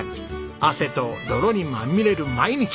汗と泥にまみれる毎日。